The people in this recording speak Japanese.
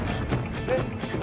えっ？